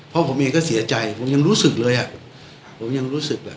เพราะผมเองก็เสียใจผมยังรู้สึกเลยอ่ะผมยังรู้สึกอ่ะ